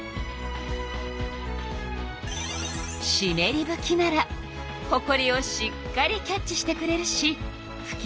しめりぶきならほこりをしっかりキャッチしてくれるしふき